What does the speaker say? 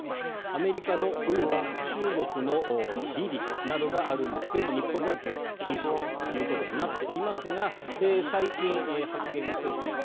アメリカのウーバー中国のＤｉＤｉなどがあるんですが日本では原則禁止ということになっていますが最近、発言が増えています。